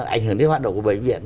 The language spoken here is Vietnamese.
ảnh hưởng đến hoạt động của bệnh viện